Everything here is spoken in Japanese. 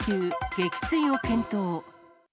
撃墜を検討。